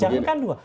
jangan kan dua